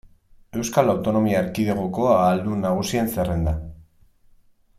Euskal Autonomia Erkidegoko ahaldun nagusien zerrenda.